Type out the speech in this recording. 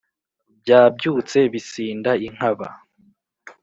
Byabyutse bisinda inkaba